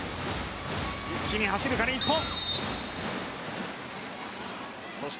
一気に走るか、日本。